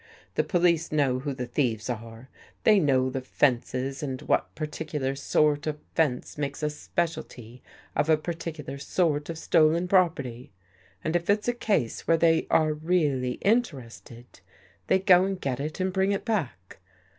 The police know who the thieves are, they know the fences and what particular sort of fence makes a specialty of a particular sort of stolen property. And if it's a case where they are really interested, they go and get it and bring it back.